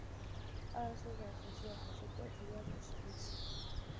二十四小时制还是国际标准时间系统。